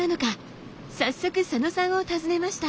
早速佐野さんを訪ねました。